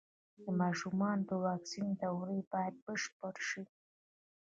د ماشومانو د واکسین دورې بايد بشپړې شي.